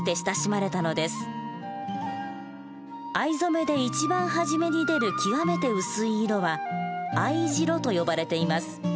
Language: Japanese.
藍染めで一番初めに出る極めて薄い色は「藍白」と呼ばれています。